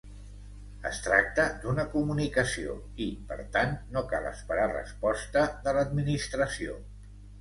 Es tracta d'una comunicació i, per tant, no cal esperar resposta de l'Administració.